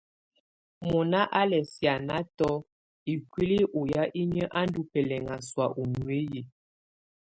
Mɔna á lɛ̀ sì́ánatɔ̀ ikuili ɔ yà inyǝ á ndù bɛlɛŋa sɔ̀á u nuiyi.